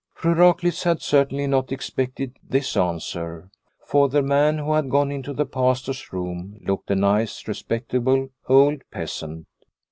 Fru Raklitz had certainly not expected this answer, for the man who had gone into the Pastor's room looked a nice respectable old peasant.